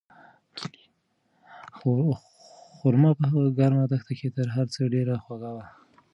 خورما په هغه ګرمه دښته کې تر هر څه ډېره خوږه وه.